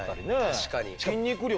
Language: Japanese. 確かに。